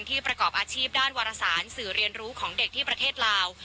ประกอบอาชีพด้านวารสารสื่อเรียนรู้ของเด็กที่ประเทศลาว